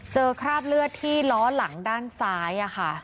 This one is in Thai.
คราบเลือดที่ล้อหลังด้านซ้าย